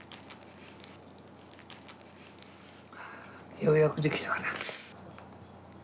ようやくできたかな。